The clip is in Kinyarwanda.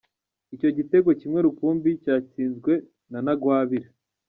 Icyo gitego kimwe rukumbi cyatsinzwe na Ntagwabira.